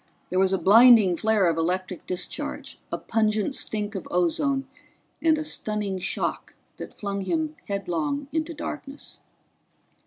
There was a blinding flare of electric discharge, a pungent stink of ozone and a stunning shock that flung him headlong into darkness.